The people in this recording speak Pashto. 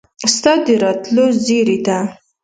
ستا د راتلو زیري ته